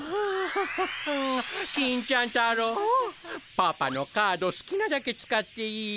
パパのカードすきなだけ使っていいよ。